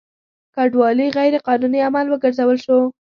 کډوالي غیر قانوني عمل وګرځول شو.